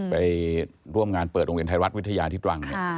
ไปร่วมงานเปิดโรงเรียนไทยรัฐวิทยาที่ตรัง